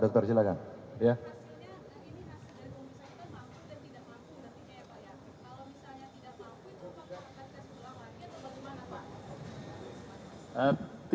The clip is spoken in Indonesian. kalau misalnya tidak mampu itu apa mau kita tes ulang lagi atau bagaimana pak